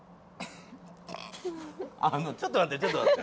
あのちょっと待ってちょっと待って。